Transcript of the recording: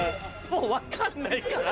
もう分かんないから！